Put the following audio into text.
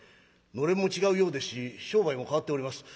暖簾も違うようですし商売も変わっております。